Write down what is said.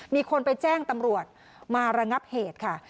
มีคนไปแจ้งตำรวจมาระงับเหตุค่ะ